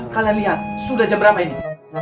kalian lihat sudah jam berapa ini